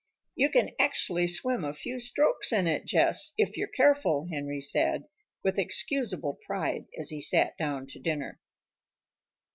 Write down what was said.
"You can actually swim a few strokes in it, Jess, if you're careful," Henry said, with excusable pride, as he sat down to dinner.